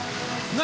何？